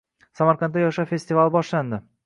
Samarqandda yoshlar festivali boshlandi